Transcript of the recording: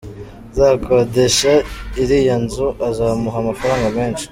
Uzakodesha iriya nzu azamuha amafaranga menshi.